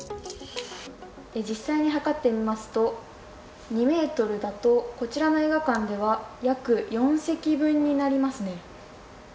実際にはかってみますと２メートルだとこちらの映画館では約４席分になりますね。